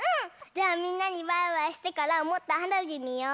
じゃあみんなにバイバイしてからもっとはなびみよう！